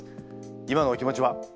今のお気持ちは？